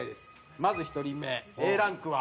まず１人目Ａランクは。